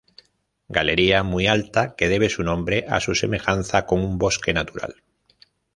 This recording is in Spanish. Galería muy alta que debe su nombre a su semejanza con un bosque natural.